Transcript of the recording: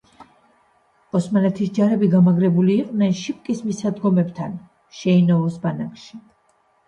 ოსმალეთის ჯარები გამაგრებული იყვნენ შიპკის მისადგომებთან, შეინოვოს ბანაკში.